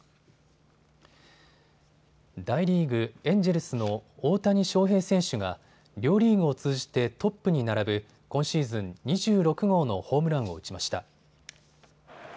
大リーグ、エンジェルスの大谷翔平選手が両リーグを通じてトップに並ぶ今シーズン２６号のホームランを打ちました。